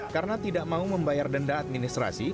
karena tidak mau membayar denda administrasi